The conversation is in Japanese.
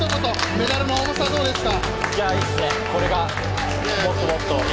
メダルの重さはどうですか？